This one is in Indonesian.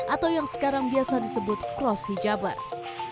atau yang sekarang biasa disebut cross hijabers